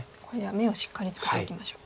眼をしっかり作っていきましょう。